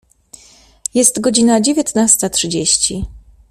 Jest godzina dziewiętnasta trzydzieści.